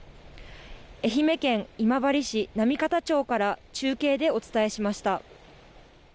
愛媛県今治市波方町から中継でお伝えしました。